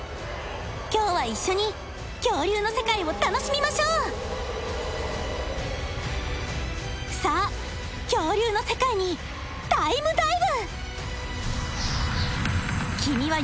今日は一緒に恐竜の世界を楽しみましょうさあ恐竜の世界にタイムダイブ！